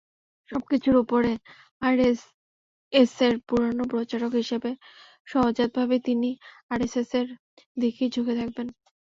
সবকিছুর ওপরে আরএসএসের পুরোনো প্রচারক হিসেবে সহজাতভাবেই তিনি আরএসএসের দিকেই ঝুঁকে থাকবেন।